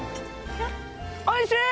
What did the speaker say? おいしい！